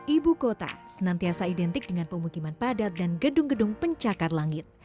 ibu kota senantiasa identik dengan pemukiman padat dan gedung gedung pencakar langit